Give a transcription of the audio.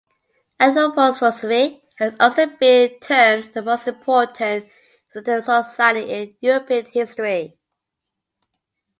Anthroposophy has also been termed the most important esoteric society in European history.